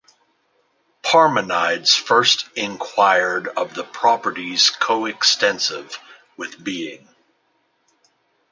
Parmenides first inquired of the properties co-extensive with being.